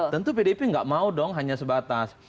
tentu pdip nggak mau dong hanya sebatas